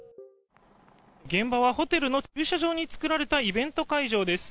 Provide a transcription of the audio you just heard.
現場はホテルの駐車場に作られたイベント会場です。